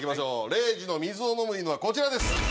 礼二の水を飲む犬はこちらです。